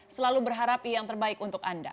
selalu berharap yang terbaik untuk anda